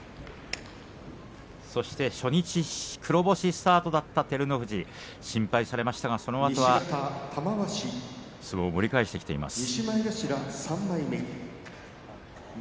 初日、黒星スタートだった照ノ富士心配されましたが、そのあとは盛り返してきています。